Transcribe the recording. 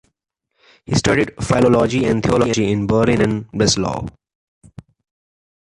He studied philology and theology in Berlin and Breslau.